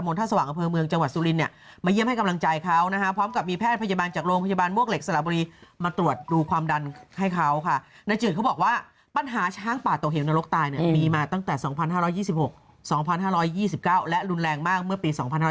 และรุนแรงมากเมื่อปี๒๑๓๕